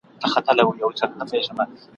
حتماً به دوی له خپل دغه عمل څخه خبر کړل سي.